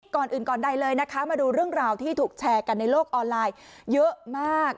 ก่อนอื่นก่อนใดเลยนะคะมาดูเรื่องราวที่ถูกแชร์กันในโลกออนไลน์เยอะมาก